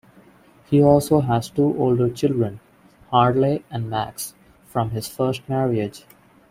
He also has two older children, Harley and Max, from his first marriage.